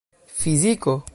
fiziko